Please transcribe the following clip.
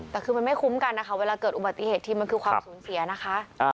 แต่คือมันไม่คุ้มกันนะคะเวลาเกิดอุบัติเหตุทีมันคือความสูญเสียนะคะ